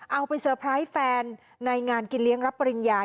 เอาไปเซอร์ไพรส์แฟนในงานกินเลี้ยงรับปริญญา